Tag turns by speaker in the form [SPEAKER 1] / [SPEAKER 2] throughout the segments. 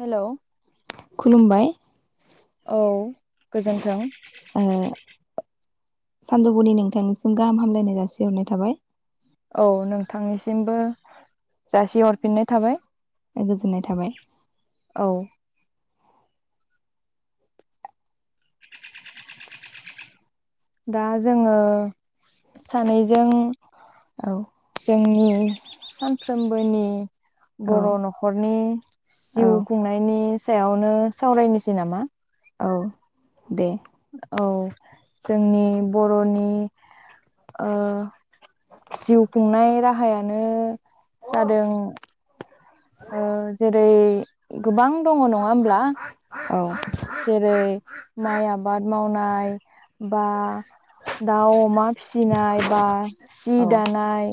[SPEAKER 1] Hello
[SPEAKER 2] खुलुमबाय।
[SPEAKER 1] औ। गोजोन्थों।
[SPEAKER 2] सानदुफुनि नोंथांनिसिम गाहाम हामलायनाय जासिहरनाय थाबाय।
[SPEAKER 1] औ नोंथांनिसिमबो जासिहरफिननाय थाबाय।
[SPEAKER 2] ओ गोजोननाय थाबाय
[SPEAKER 1] औ दा जोङो सानैजों
[SPEAKER 2] औ
[SPEAKER 1] जोंनि सानफ्रोमबोनि बर'
[SPEAKER 2] औ
[SPEAKER 1] न'खरनि जिउ खुंनायनि सायावनो सावरायनिसै नामा
[SPEAKER 2] औ दे
[SPEAKER 1] औ जोंनि बर'नि ओ जिउ खुंनाय राहायानो जादों ओ जेरै गोबां दङ' नङा होमब्ला
[SPEAKER 2] औ
[SPEAKER 1] जेरै माइ आबाद मावनाय बा दाउ अमा फिसिनाय बा सि दानाय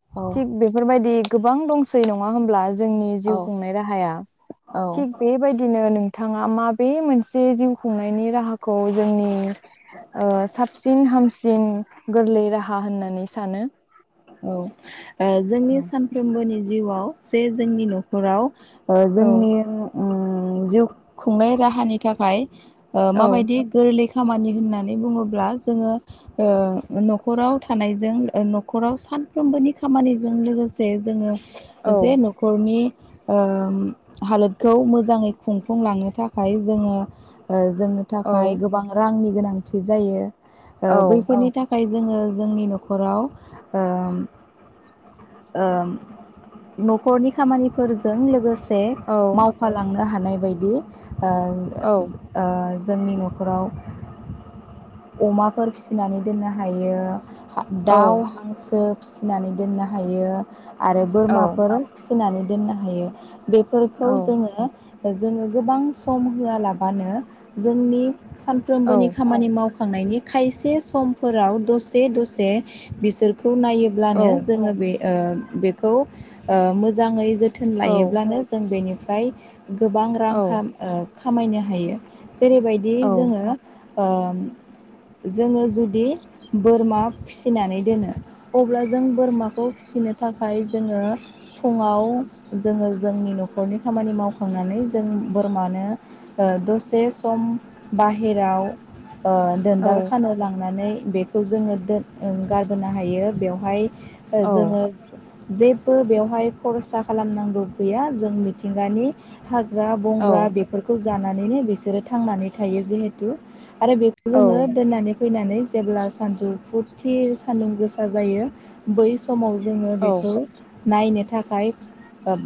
[SPEAKER 2] औ
[SPEAKER 1] थिग बेफोरबायदि गोबां दंसै नङा होनोमब्ला ज जोंनि
[SPEAKER 2] औ
[SPEAKER 1] जिउ खुंनाय राहाया
[SPEAKER 2] औ
[SPEAKER 1] थिग बेबायदिनो नों थाङा माबे मोनस से जिउ खुंनायनि राहाखौ जोंनि ओ साबसिन- हामसिन गोरलै राह हा होननानै सानो
[SPEAKER 2] औ ओ जोंनि
[SPEAKER 1] औ
[SPEAKER 2] सानफ्रोमबोनि ज जिउआव जे जोंनि न'खराव ओ
[SPEAKER 1] औ
[SPEAKER 2] जोंनि ओं उम जिउ खुंनाय राहानि थाखाय ओ
[SPEAKER 1] औ
[SPEAKER 2] माबायदि गोरलै ख खामानि होननानै बुङोब्ला जोङो ओ न'खराव थानायजों ओ नख खराव सानफ्रोमबोनि खामानिजों लोगोसे जोङो जे न'खरनि ओ उम हालोदखौ मोजाङै खुंफुंलांनो थाखाय जोङो ओ जोंनो
[SPEAKER 1] औ
[SPEAKER 2] थाखाय गोबां रांनि गोनां थि जायो ओ
[SPEAKER 1] औ
[SPEAKER 2] बैफोरनि थाख खाय जोङो जोंनि न'खराव ओम ओ न'खरनि खामानिफोरजों लोगोसे
[SPEAKER 1] औ
[SPEAKER 2] मावफालांनो हानाय बायादि ओ
[SPEAKER 1] औ
[SPEAKER 2] ओ [unintelligible] जोंनि न'खराव अमाफोर फिसिनानै दोननो हायो।
[SPEAKER 1] औ
[SPEAKER 2] दाउ हांसो फिसिनानै दोनना हायो। आरो बोरमाफोर होनानै दोननो हायो। बेफोरखौ
[SPEAKER 1] औ
[SPEAKER 2] जोङो जोङो गोबां सम होआलाबानो जोंनि
[SPEAKER 1] औ
[SPEAKER 2] सानफ्रोमबोनि खामानि माव नायनि खायसे समफोराव दसे दसे बिसोर खौ नायोब्लानो ओ बेखौ ओ मोजाङै जो जो थोन लायोब्लानो जों बेनि फ्राय गोबां रां
[SPEAKER 1] औ
[SPEAKER 2] खा ओ खामायनो हायो। जेरैबायदि
[SPEAKER 1] औ
[SPEAKER 2] जोङो ओ जोङो जु दि बोरमा फि फिनानै दोनो अब्ला जों बोरमाखौ फिसिनो थाखाय जोङो फुङाव जोङो जोंनि न'खरनि खामानि मावखांनानै जों बोरमानो दसे सम बाहेराव ओ दोनदाल खानो लांनानै बेखौ जोङो दोन गारबोनो हायो बेवहाय ओ जोङो जेबो बेवहाय खरसा खालामनांगौ गैया जों मिथिंगानि हाग्रा बंग्रा बेफोरखौ जानानैनो बिसोरो थांनानै थायो जिहेथु आरो बेखौ जोङो
[SPEAKER 1] औ
[SPEAKER 2] दोननानै फैनानै जेब्ला सानजौ फुरथि सान्दुं गोसा जायो। बैस समाव जोङो
[SPEAKER 1] औ
[SPEAKER 2] बेखौ नायनो थाखाय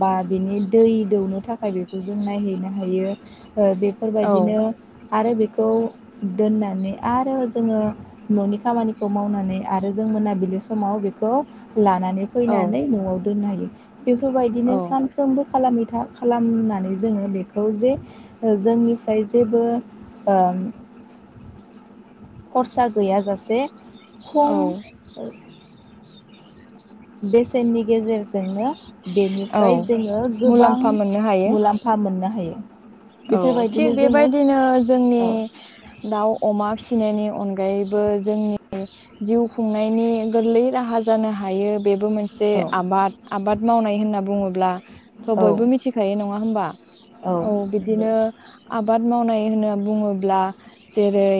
[SPEAKER 2] बा बिनि दै दौनो थाखाय बेखौ जों नायहैनो हायो। बेफोरबायदिनो आरो बेखौ दोननानै आरो जोङो न'नि खामानिखौ मावनानै आरो जों मोनाबिलि समाव बे [inaudible] लानानै
[SPEAKER 1] औ औ
[SPEAKER 2] फैनानै न'आव दोननो हायो
[SPEAKER 1] औ
[SPEAKER 2] बेफोरबायदिनो सानफ्रोमबो खालामै फोथा खालामनानै जोङो बेखौ जे जोंनिफ्राय जेबो खरसा गैयाजासे
[SPEAKER 1] औ
[SPEAKER 2] खम
[SPEAKER 1] [inaudible]
[SPEAKER 2] बेसेननि गेजेरजोंनो
[SPEAKER 1] औ
[SPEAKER 2] बेनिफ्राय जोङो गोबां
[SPEAKER 1] मुलाम्फा मोननो हायो
[SPEAKER 2] मुलाम्फा मोननो हायो।
[SPEAKER 1] औ थिग
[SPEAKER 2] बेफोरबायदिनो जोङो
[SPEAKER 1] बेबायदिनो जोंनि
[SPEAKER 2] औ
[SPEAKER 1] दाउ, अमा फि फिसिनायनि अनगायैबो जोंनि जिउ खुंनायनि गोरलै राहा जानो हायो। बेबो मोनसे
[SPEAKER 2] औ
[SPEAKER 1] आबाद आबाद मावनाय होनना बुङोब्ला थ'
[SPEAKER 2] औ
[SPEAKER 1] बयबो मिथिखायो नङा। नङा होमबा
[SPEAKER 2] औ नंगौ
[SPEAKER 1] बिनो आबाद मावनाय होनना बुङोब्ला जेरै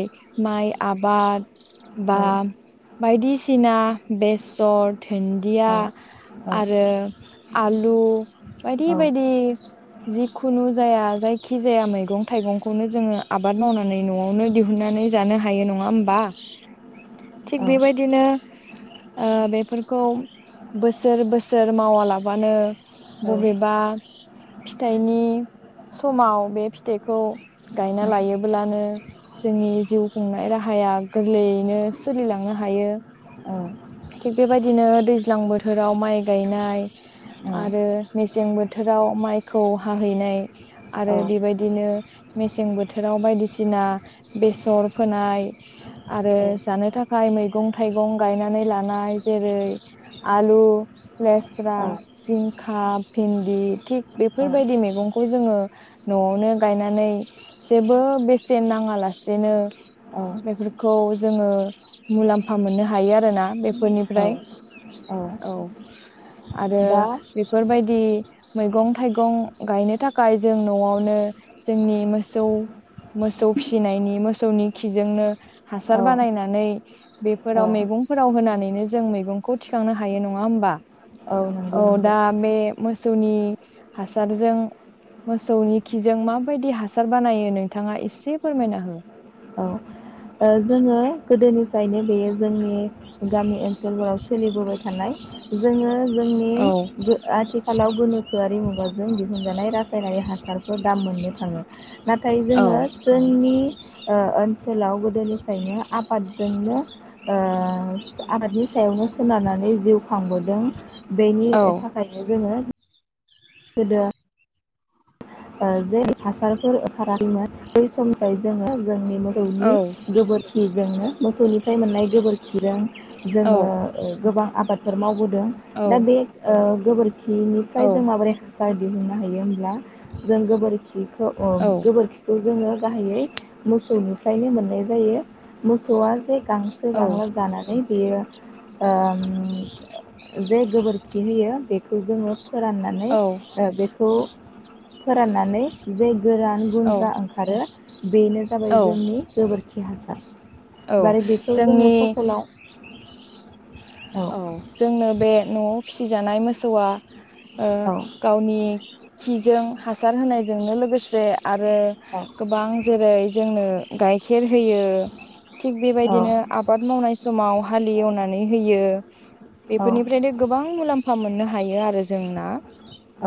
[SPEAKER 1] माइ आबाद बा
[SPEAKER 2] औ
[SPEAKER 1] बायदिसिना बेसे थासर, दुन्दिया
[SPEAKER 2] औ औ औ
[SPEAKER 1] आरो आलु बायदि
[SPEAKER 2] औ
[SPEAKER 1] बायदि खुनु जाया जाय जखि जाया मैगं-थाइगंखौनो जोङो आबाद मावनानै न'आवनो दिहुनन्नानै जानो हायो नङा होमबा थिग
[SPEAKER 2] औ
[SPEAKER 1] बेबायदिनो ओ बे फोरखौ बोसोर बोसोर मावालाबानो
[SPEAKER 2] औ
[SPEAKER 1] बबेबा फिथाइनि समाव बे फिथाइखौ गायना लायोबोलानो जोंनि जिउ खुंनाय राहा गोरलैयैनो सोलिलांनो हायो थिग बेबायदिनो दैज्लां बोथोराव माइ गायनाय आरो मेसेंबो बोथोराव माइखौ हाहैनाय आरो बेबायदिनो मेसें बोथोराव बायदिसिना बेसर फोनाय आरो जानो थाखाय मैगं थाइगं गायनानै लानाय जेरै आलु लेस्रा जिंखा भिन्दि थिग बेफोरबायदि मैगंखौ जोङो न'वावनो गायनानै जेबो बेसेन नाङा लासेनो बेफोरखौ जोङो मुलाम्फा मोननो हायो आरोना बेफोरनिफ्राय औ। आरो
[SPEAKER 2] दा
[SPEAKER 1] बेफोरबायदि मैगं थाइगं गायनो थाखाय जों न'वावनो जोंनि मोसौ मोसौ फिसिनायनि मोसौनि खिजोंनो हासार
[SPEAKER 2] औ
[SPEAKER 1] बानायनानै
[SPEAKER 2] औ
[SPEAKER 1] बेफोराव मैगंफोराव होनानै नो जों मैगंखौ थिखांनो हायो नङा होमबा।
[SPEAKER 2] नंगौ
[SPEAKER 1] औ
[SPEAKER 2] नंगौ
[SPEAKER 1] दा बे मो मोसौनि हासारजों मोसौनि खिजों माबायदि हासार बानायो नोंथाङा एसे फोरमायना हो।
[SPEAKER 2] औ ओ जोङो गोदोनिफ्रायनो बेयो जोंनि गामि ओनसोलफोराव सोलिबोबाय थानाय जोङो जोंनि
[SPEAKER 1] औ
[SPEAKER 2] आथिखालाव गोनोखोआरि मु मुगाजों दिहुनजानाय रासायनारि हासारफोर दा मोननो थाङो। नाथाय
[SPEAKER 1] औ
[SPEAKER 2] जोङो जोंनि ओ ओनसो ओनसोलाव गोदोनिफ्रायनो आबादजोंनो ओ आबादनि सायावनो सोनारनानै जिउ खांबोदों। बेनि
[SPEAKER 1] औ
[SPEAKER 2] थाखायनो जोङो गोदो जे हासारफोर ओंखाराखैमोन बै समनिफ्राय जोङो जोंनि
[SPEAKER 1] औ
[SPEAKER 2] मोसौनि गोबोरखिजोंनो मोसौनिफ्राय मोननाय गोबोरखिजों जोङो
[SPEAKER 1] औ
[SPEAKER 2] गोबां आबादफोर मावबोदों।
[SPEAKER 1] औ
[SPEAKER 2] दा बे ओ गोबोर खि
[SPEAKER 1] औ
[SPEAKER 2] खिनिफ्राय जों माबोरै हासा सार दिहुननो हायो होमब्ला जों गोबोरखि खिखौ
[SPEAKER 1] औ
[SPEAKER 2] गोबोरखिखौ जोङो गाहायै मोसौनिफ्रायनो मोननाय जायो मोसौवा जे गांसो - गांला जानानै बेयो ओ जे गोबोरखि होयो बेखौ जोङो फोराननानै
[SPEAKER 1] औ
[SPEAKER 2] अ बेखौ फोराननानै जे गोरान
[SPEAKER 1] औ
[SPEAKER 2] गुन्द्रा ओंखारो बेनो जाबाय
[SPEAKER 1] औ
[SPEAKER 2] जोंनि गोबोरखि हासार
[SPEAKER 1] औ
[SPEAKER 2] माने बेखौ जोङो
[SPEAKER 1] जोंनि
[SPEAKER 2] फसलाव
[SPEAKER 1] औ जोंनो बे न'आव फिसिजानाय मोसौआ ओ
[SPEAKER 2] औ
[SPEAKER 1] गावनि खिजों हासार होनायजोंनो लोगोसे आरो
[SPEAKER 2] औ
[SPEAKER 1] गोबां जेरै जोंनो गाइखेर होयो। थिग
[SPEAKER 2] औ
[SPEAKER 1] बेबायदिनो आबाद मावनाय समाव हालेवनानै बियो
[SPEAKER 2] औ
[SPEAKER 1] बेफोरनिफ्रायनो गोबां मुलाम्फा -फा मोननो हायो आरो। जोंना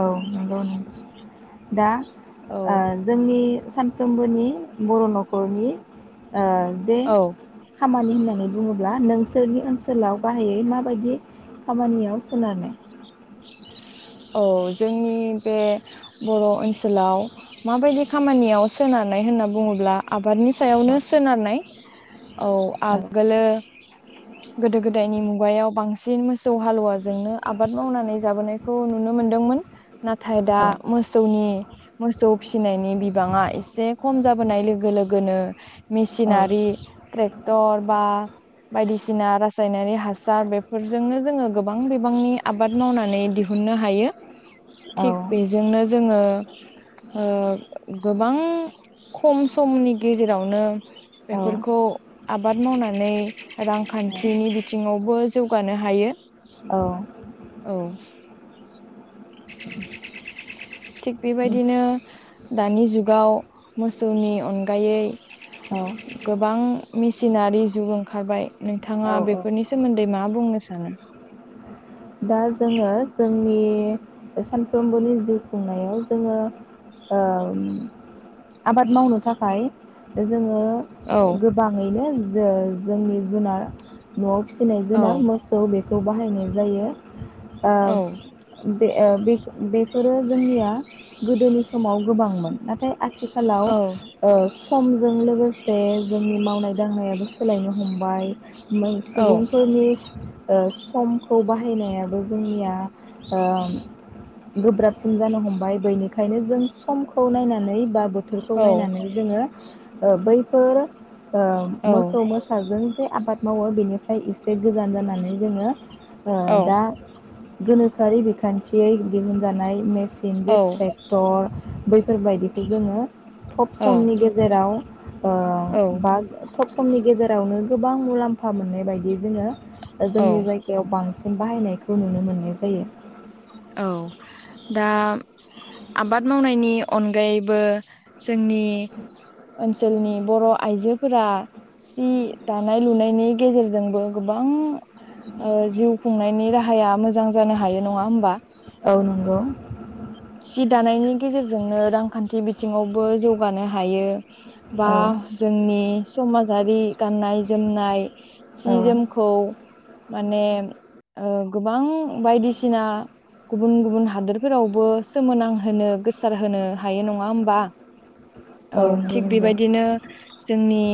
[SPEAKER 2] औ नंगौ नों दा
[SPEAKER 1] औ
[SPEAKER 2] ओ जोंनि सानफ्रोमबोनि बर' न'खरनि अ जे
[SPEAKER 1] औ
[SPEAKER 2] खामानि होननानै बुङोब्ला -ब्ला नोंसोरनि ओनसोलाव गाहायै माबायदि खामानियाव सोनारनाय।
[SPEAKER 1] औ जोंनि बे बर' ओनसोलाव माबायदि खामानियाव सोनारनाय होनना बुङोब्ला आबादनि
[SPEAKER 2] औ
[SPEAKER 1] सायावनो सोनारनाय औ आगोलो गोदो -गोदायनि मुगायाव बांसिन मोसौ हालुवाजोंनो आबाद मावनानै जों जाबोनायखौ नुनो मोनदोंमोन नाथाय दा
[SPEAKER 2] औ
[SPEAKER 1] मोसौनि- मोसौ फिनायनि बिबांआ ऐसे खम जोबोनाय लोगो -लोगोनो
[SPEAKER 2] औ
[SPEAKER 1] मेचिनारि त्तेकटर बा बायदिसिना राजायनायनी हासार बेफोरजोंनो जोङो गोबां बिबांनि आबाद मावनानै -नै दिहुननो हायो
[SPEAKER 2] औ
[SPEAKER 1] थिग बेजोंनो जोङो गोबां खम समनि गेजेरावनो बेफोरखौ आबाद मावनानै
[SPEAKER 2] औ
[SPEAKER 1] रांखान्थिनि बिथिङावबो जौगानो हायो।
[SPEAKER 2] औ।
[SPEAKER 1] औ थिग बेबायदिनो दानि जुगाव मोसौनि अनगायै
[SPEAKER 2] औ
[SPEAKER 1] गोबां मेसिनारि जुग ओंखारबाय नोंथाङा
[SPEAKER 2] औ औ
[SPEAKER 1] बेफोरनि सोमोन्दै मा बुंनो सानो?
[SPEAKER 2] दा जोङो जोंनि सानफ्रोमबोनि जिउ खुंनायाव जोङो आबाद मावनो थाखाय जोङो
[SPEAKER 1] औ
[SPEAKER 2] गोबाङैनो जो- जोंनि जुनार न'आव फिसिनाय
[SPEAKER 1] औ
[SPEAKER 2] जुनार मोसौ बेफो खौ बाहायनाय जायो। ओ
[SPEAKER 1] औ
[SPEAKER 2] बे ओ बि बि फोरो जोंनिया गोदोनि समाव गोबांमोन नाथाय आथ आथिखालाव
[SPEAKER 1] औ
[SPEAKER 2] ओ समजों लोगोसे जोंनि मावनाय दांनायाबो सोलायनो हमबाय।
[SPEAKER 1] औ
[SPEAKER 2] सुबुंफोरनिस ओ समखौ बाहा नायाबो जोंनिया गोब्राबसिन जानो हमबाय बेनिखायनो जों समखौ नायनानै बा बोथ बफोरखौ
[SPEAKER 1] औ
[SPEAKER 2] नायनानै जोंओ ओ बैफोर ओ
[SPEAKER 1] औ
[SPEAKER 2] मोसौ मोसाजों जे आबाद मावो बेनिफ्राय एसे गोजान जानानै जोंओ ओ दा गोनोखोआरि बिखान्थियै दिहुनजानाय मे सिन जे ट्रेक्टर बैफोरबायदिखौ जोंओ थब
[SPEAKER 1] औ
[SPEAKER 2] समनि गेजेराव ओ
[SPEAKER 1] औ
[SPEAKER 2] बा थब समनि गेजेरावनो गोबां मुलाम्फा मोननाय बायदि जोंओ जोंनि जायगायाव बां सिन बाहायनायखौ नुनो मोननाय जायो।
[SPEAKER 1] औ दा आबाद मावनायनि अनगायैबो जोंनि ओनसोलनि बर' आइजोफोरा सि दानाय लुनायनि गेजेरजोंबो गोबां ओ जिउ खुंनायनि राहाया मोजां जानो हायो नङा होमबा।
[SPEAKER 2] औ नोंगौ।
[SPEAKER 1] सि दानायनि गेजेरजोंनो रांखान्थि बिथिङावबो जौगानो हायो। बा
[SPEAKER 2] औ
[SPEAKER 1] जोंनि समाजारि गाननाय जोमनाय सि
[SPEAKER 2] औ
[SPEAKER 1] जोमखौ माने ओ गोबां बायदिसिना गुबुन गुबुन हादोरफोरावबो सोमोनांहोनो गोसार होनो हायो नङा होमबा। औ
[SPEAKER 2] नंगौ
[SPEAKER 1] थिग
[SPEAKER 2] नंगौ
[SPEAKER 1] बेबायदिनो जोंनि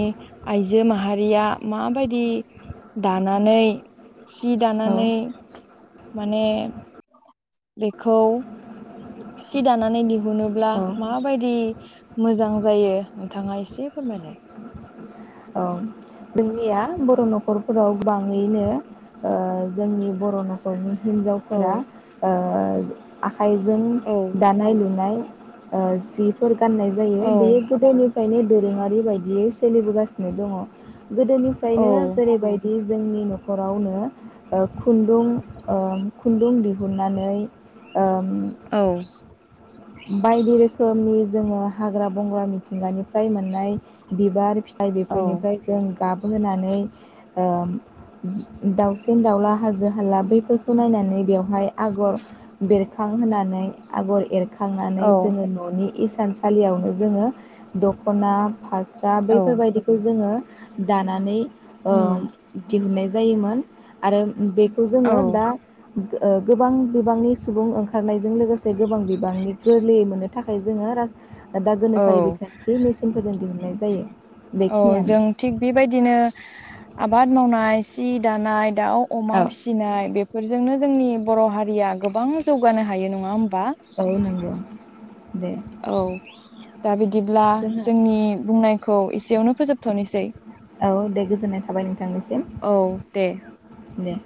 [SPEAKER 1] आइजो माहारिया माबायदि दानानै सि दानानै
[SPEAKER 2] औ
[SPEAKER 1] माने बेखौ सि दानानै दिहुनोब्ला
[SPEAKER 2] औ
[SPEAKER 1] माबायदि मोजां जायो नोंथाङा एसे फोरमायलाय।
[SPEAKER 2] [unintelligible] निया बर' न'खरफोराव गोबाङैनो ओ जोंनि बर' न'खरनि हिन्जावफोरा ओ आखायजों दानाय लुनाय। जिफोरख। गाननाय जायो बेयो गोदोनिफ्रायनो। दोरोङारि बायदियै सोलिबोगासिनो दङ। गोदोनिफ्रायनो जेरैबायदि जोंनि न नखरावनो खुन्दुं ओ-खुन्दुं दिहुनानै ओ
[SPEAKER 1] औ
[SPEAKER 2] बायदि रोखोमनि जोङो हाग्रा बंग्रा मिथिंगानिफ्राय मोननाय बिबार फि फाय बेफोरनिफ्राय जों गाबहोनानै ओम। दाउसिन दाउला हाजो हाला बैफोरखौ नायनानै बेवहाय आगर बेरखां होनानै आगर एर खांनानै जोङो ननि इस सान सालियावनो जोङो दखना। फास्रा बैफोरबायदिखौ जोङो। दानानै ओ दिहुननाय। जायोमोन आरो बेखौ जोङो दा ओ गोबां बिबांनि सुबुं ओंखारनायजों लोगोसे गोबां। बांनि गोरलै मोनो। थाखाय जोङो राज- दा
[SPEAKER 1] औ
[SPEAKER 2] गोनोखोआरि बिखान्थि मेसिनफोरजों दिहुननाय जायो।
[SPEAKER 1] औ
[SPEAKER 2] बेखिनियानो
[SPEAKER 1] जों थिग बेबायदिनो आबाद मावनाय सि दानाय दाउ अमा
[SPEAKER 2] औ
[SPEAKER 1] फिसिनाय बेफोरजोंनो जोंनि। बर हारिया गोबां जौगानो हायो नङा होम- बा
[SPEAKER 2] औ नंगौ दे
[SPEAKER 1] औ दा बिदिब्ला
[SPEAKER 2] जोंहा
[SPEAKER 1] जोंनि बुंनाय। खौ एसेयावनो फोजोबथनोसै।
[SPEAKER 2] औ दे गोजोननाय थाबाय नोंथांनिसिम
[SPEAKER 1] औ दे
[SPEAKER 2] दे।